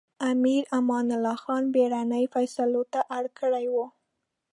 امیر امان الله خان بېړنۍ فېصلو ته اړ کړی و.